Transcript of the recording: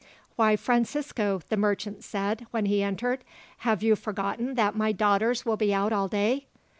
"Why, Francisco," the merchant said when he entered, "have you forgotten that my daughters will be out all day?"